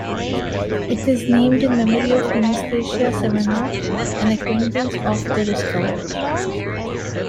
It is named in memory of Anastasia Semenoff, an acquaintance of the discoverer.